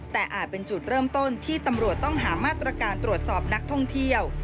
แต่อาจเป็นจุดเริ่มต้นที่ตำรวจต้องหามาตรการตรวจสอบนักท่องเที่ยว